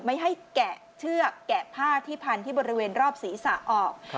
ไม่ให้แกะเชือกแกะผ้าที่พันที่บริเวณรอบศีรษะออก